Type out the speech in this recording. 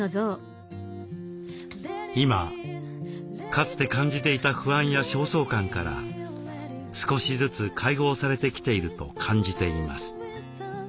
今かつて感じていた不安や焦燥感から少しずつ解放されてきていると感じています。